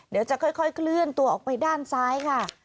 เดี๋ยวจะค่อยเคลื่อนตัวออกไปด้านซ้ายค่ะ